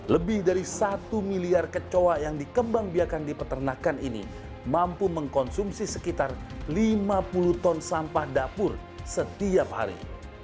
lebih dari satu miliar kecoa yang dikembang biakan di peternakan ini mampu mengkonsumsi sekitar lima puluh ton sampah dapur setiap hari